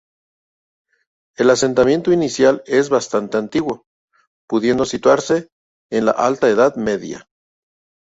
El asentamiento inicial es bastante antiguo, pudiendo situarse en la alta edad media.